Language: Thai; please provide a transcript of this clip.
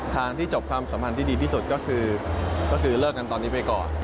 ทางที่จบความสัมพันธ์ที่ดีที่สุดก็คือเลิกกันตอนนี้ไปก่อน